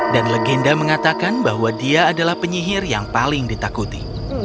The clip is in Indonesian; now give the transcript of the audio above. dan legenda mengatakan bahwa dia adalah penyihir yang paling ditakuti